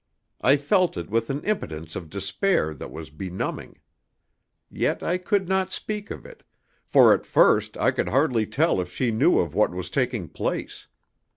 I felt it with an impotence of despair that was benumbing. Yet I could not speak of it, for at first I could hardly tell if she knew of what was taking place.